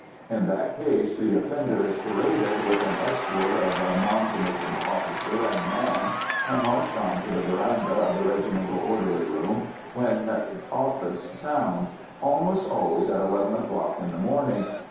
In that case, the offender is paraded with an escort of a non commissioned officer and man, and marched on to the verandah of the regimental orderly room when "office" sounds almost always at eleven o'clock in the morning.